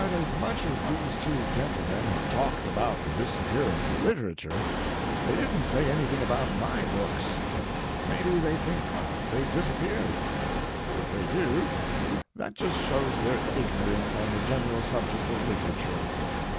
But as much as these two gentlemen have talked about the disappearance of literature, they didn't say anything about my books. Maybe they think they've disappeared. If they do, that just shows their ignorance on the general subject of literature.